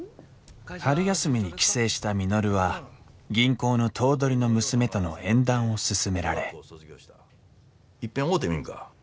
春休みに帰省した稔は銀行の頭取の娘との縁談を勧められいっぺん会うてみんか？